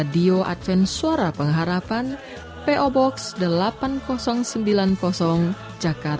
dan yesus ku mau percaya